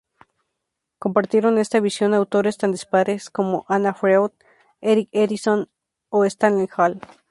Compartieron esta visión autores tan dispares como Anna Freud, Erik Erikson o Stanley Hall.